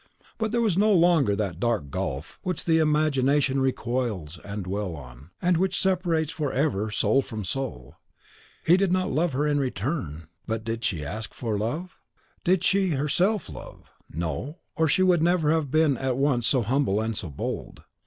But there was no longer that dark gulf which the imagination recoils to dwell on, and which separates forever soul from soul. He did not love her in return. Love her! But did she ask for love? Did she herself love? No; or she would never have been at once so humble and so bold.